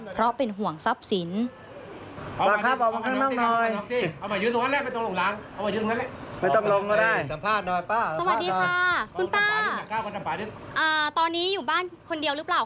เพราะเป็นห่วงทรัพย์สิน